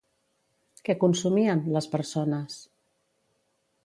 Què consumien, les persones?